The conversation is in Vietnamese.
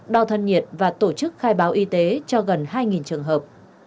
đo thân nhiệt và tổ chức khai báo y tế cho gần hai trường hợp